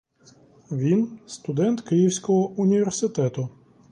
Він — студент київського університету.